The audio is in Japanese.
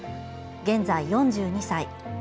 現在、４２歳。